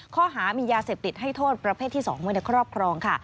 ข้อหามียาเสพติดให้โทษประเภทที่๒ไว้ในครอบครองค่ะ